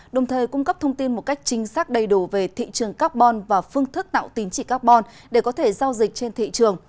đồng thời cung cấp thông tin một cách chính xác đầy đủ về thị trường carbon và phương thức tạo tín chỉ carbon để có thể giao dịch trên thị trường